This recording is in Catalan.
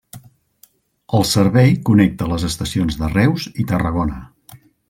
El servei connecta les estacions de Reus i Tarragona.